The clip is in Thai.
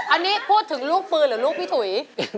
อันนี้พูดถึงลูกปืนหรือลูกพี่ถุย